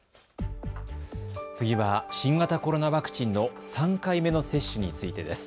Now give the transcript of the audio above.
次は新型コロナワクチンの３回目の接種についてです。